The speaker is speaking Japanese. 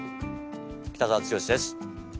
北澤豪です。